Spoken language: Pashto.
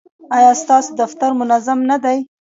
ایا ستاسو دفتر منظم نه دی؟